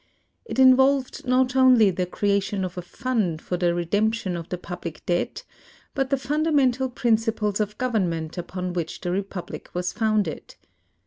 It involved not only the creation of a fund for the redemption of the public debt, but the fundamental principles of government upon which the republic was founded.